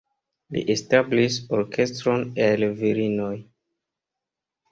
Li establis orkestron el virinoj.